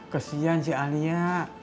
kesian si alia